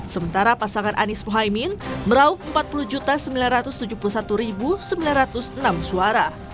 sementara pasangan anies mohaimin merauk empat puluh sembilan ratus tujuh puluh satu sembilan ratus enam suara